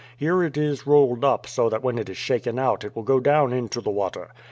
Here it is rolled up, so that when it is shaken out it will go down into the water.